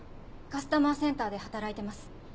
カスタマーセンターで働いてます。